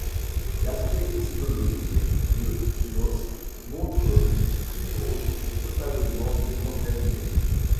L'aspect histologique de l'os montre une structure osseuse totalement désorganisée.